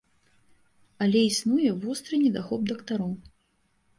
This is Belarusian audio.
Але існуе востры недахоп дактароў.